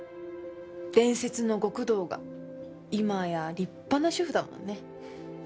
伝説の極道が今や立派な主夫だもんね。